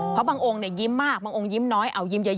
เพราะบางองค์ยิ้มมากบางองค์ยิ้มน้อยเอายิ้มเยอะ